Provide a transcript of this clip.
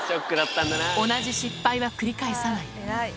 同じ失敗は繰り返さない。